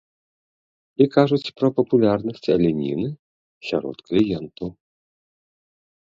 І кажуць пра папулярнасць аленіны сярод кліентаў.